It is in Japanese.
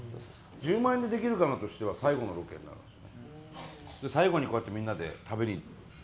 『１０万円でできるかな』としては最後のロケになるんですね。